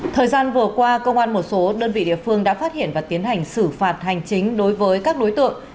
thời gian vừa qua công an một số đơn vị địa phương đã phát hiện và tiến hành xử phạt hành chính đối với các đối tượng